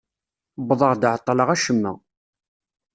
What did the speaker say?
Wwḍeɣ-d εeṭṭleɣ acemma.